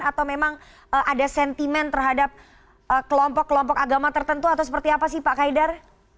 atau memang ada sentimen terhadap kelompok kelompok agama tertentu atau seperti apa sih pak kaidar